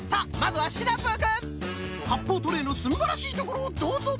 はっぽうトレーのすんばらしいところをどうぞ！